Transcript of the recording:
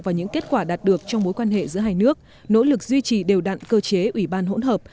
vào những kết quả đạt được trong mối quan hệ giữa hai nước nỗ lực duy trì đều đặn cơ chế ủy ban hỗn hợp